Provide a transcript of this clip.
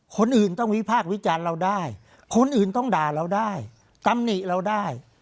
คนอื่นต้องวิพากษ์วิจารณ์เราได้คนอื่นต้องด่าเราได้ตำหนิเราได้